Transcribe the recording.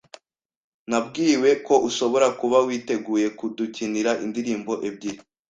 Nabwiwe ko ushobora kuba witeguye kudukinira indirimbo ebyiri.